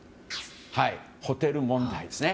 ホテル問題ですね。